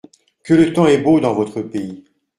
Que le temps est beau dans votre pays !